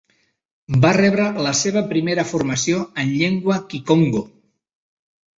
Va rebre la seva primera formació en llengua kikongo.